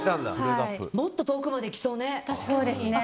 もっと遠くまで行きそうね。